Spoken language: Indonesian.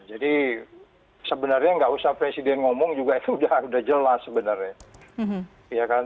jadi sebenarnya nggak usah presiden ngomong juga itu udah jelas sebenarnya